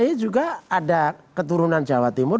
tapi juga ada keturunan jawa timur